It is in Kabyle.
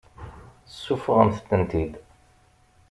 Seffɣemt-tent-id.